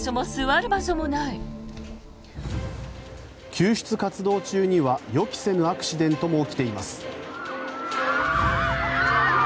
救出活動中には予期せぬアクシデントも起きています。